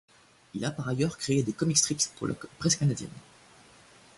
Il a par ailleurs créé des comic strips pour la presse canadienne.